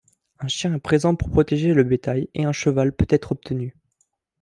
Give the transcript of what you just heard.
Un chien est présent pour protéger le bétail et un cheval peut être obtenu.